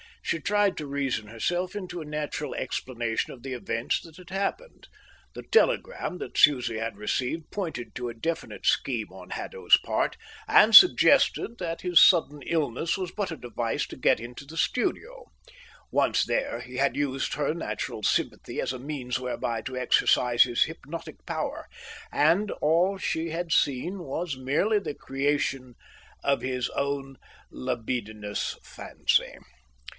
She tried to reason herself into a natural explanation of the events that had happened. The telegram that Susie had received pointed to a definite scheme on Haddo's part, and suggested that his sudden illness was but a device to get into the studio. Once there, he had used her natural sympathy as a means whereby to exercise his hypnotic power, and all she had seen was merely the creation of his own libidinous fancy.